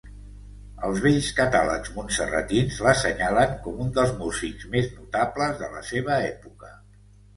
Els vells catàlegs montserratins l'assenyalen com un dels músics més notables de la seva època.